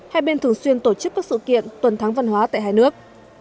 hai bên thường xuyên tổ chức các sự kiện tuần thắng văn hóa tại hai nước